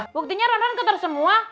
buktinya ronron keter semua